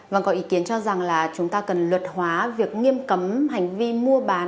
vâng có ý kiến cho rằng là chúng ta cần luật hóa việc nghiêm cấm hành vi mua bán